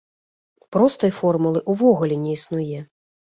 Простай формулы ўвогуле не існуе.